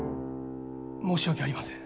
申し訳ありません。